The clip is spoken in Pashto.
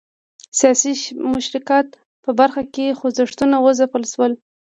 د سیاسي مشارکت په برخه کې خوځښتونه وځپل شول.